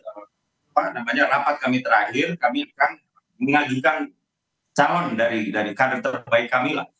rapat kami terakhir kami akan mengajukan calon dari kader terbaik kami lah